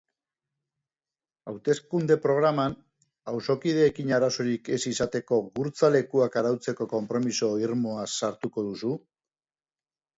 Hauteskunde-programan, auzokideekin arazorik ez izateko gurtza lekuak arautzeko konpromiso irmoa sartuko duzu?